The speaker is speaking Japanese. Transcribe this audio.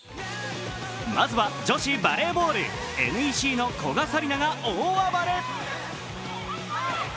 まずは女子バレーボールＮＥＣの古賀紗理那が大暴れ。